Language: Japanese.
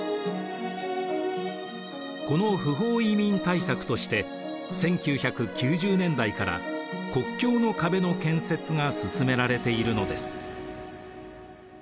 この不法移民対策として１９９０年代から国境の壁の建設が進められているのです。